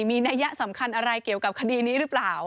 มีนัยสำคัญอะไรเกี่ยวกับคดีนี้หรือเปล่า